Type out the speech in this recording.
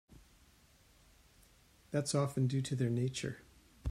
That's often due to their nature.